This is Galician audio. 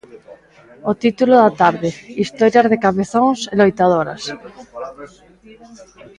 O título da tarde, Historias de cabezóns e loitadoras.